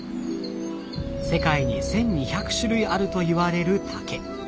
世界に１，２００種類あるといわれる竹。